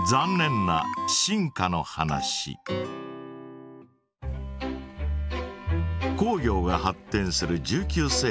工業が発展する１９世紀のイギリス。